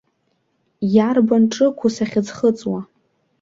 Иарбан ҿықәу сахьыӡхыҵуа?